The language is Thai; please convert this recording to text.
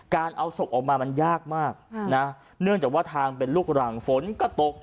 เอาศพออกมามันยากมากนะเนื่องจากว่าทางเป็นลูกรังฝนก็ตก